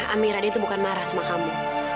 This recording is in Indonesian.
amira dia tuh bukan marah sama kamu